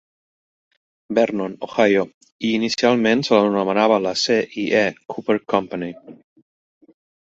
Vernon, Ohio, i inicialment se l'anomenava la C i E Cooper Company.